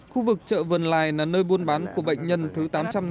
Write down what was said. khu vực chợ vân lai là nơi buôn bán của bệnh nhân thứ tám trăm năm mươi chín